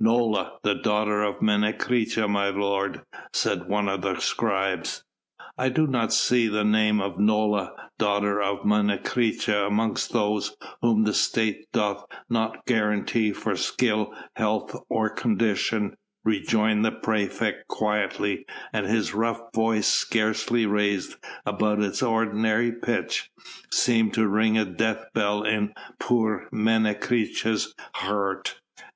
"Nola, the daughter of Menecreta, my lord," said one of the scribes. "I do not see the name of Nola, daughter of Menecreta, amongst those whom the State doth not guarantee for skill, health or condition," rejoined the praefect quietly, and his rough voice, scarcely raised above its ordinary pitch, seemed to ring a death knell in poor Menecreta's heart.